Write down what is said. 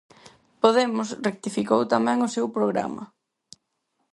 Podemos rectificou tamén o seu programa.